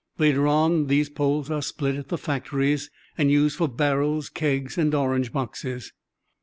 Later on these poles are split at the factories and used for barrels, kegs, and orange boxes."